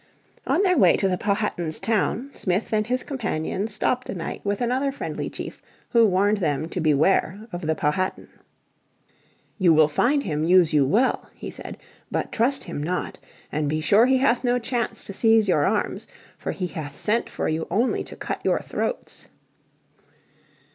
On their way to the Powhatan's town Smith and his companions stopped a night with another friendly chief who warned them to beware of the Powhatan. "You will find him use you well," he said. "But trust him not. And be sure he hath no chance to seize your arms. For he hath sent for you only to cut your throats."